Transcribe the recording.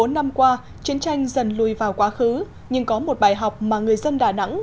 bốn mươi năm qua chiến tranh dần lùi vào quá khứ nhưng có một bài học mà người dân đà nẵng